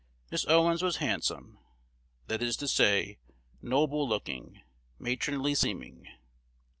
Miss Owens was handsome, that is to say, noble looking, matronly seeming."